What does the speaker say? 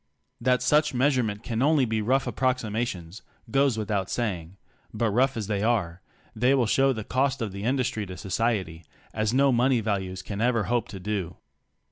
14 That such measurement can only be rough approxima tions, goes without saying, but rough as they are, they will show the cost of the industry to society as no money values can ever hope to do.